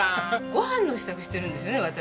ご飯の支度してるんですよね私。